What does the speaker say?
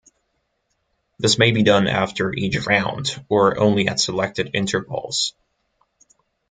This may be done after each round, or only at selected intervals.